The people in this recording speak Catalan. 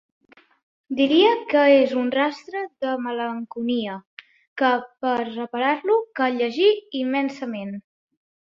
Diria que és un rastre de melancolia, que per reparar-lo cal llegir immensament.